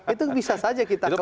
itu bisa saja kita kelola